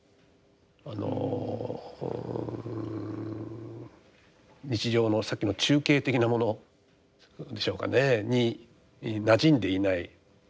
あの日常のさっきの中景的なものでしょうかねになじんでいない。